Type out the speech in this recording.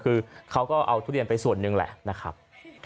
คือเขาก็เอาทุเรียนไปส่วนหนึ่งแหละนะครับ